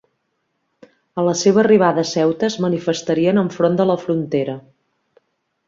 A la seva arribada a Ceuta es manifestarien enfront de la frontera.